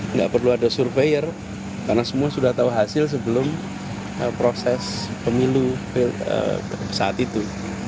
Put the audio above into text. nggak perlu ada surveyor karena semua sudah tahu hasil sebelum proses pemilu saat itu